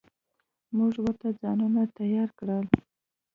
موږ ورته ځانونه تيار کړل.